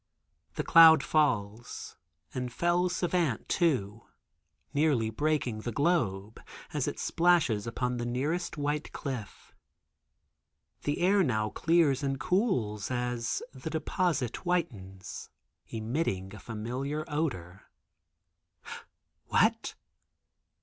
The cloud falls and fells Savant too, nearly breaking the globe, as it splashes upon the nearest white cliff. The air now clears and cools as the deposit whitens, emitting a familiar odor. What!